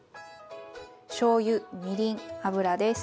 しょうゆみりん油です。